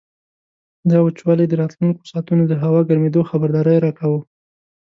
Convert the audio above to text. دا وچوالی د راتلونکو ساعتونو د هوا ګرمېدو خبرداری راکاوه.